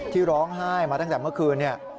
ที่ร้องไห้มาตั้งแต่เมื่อคืน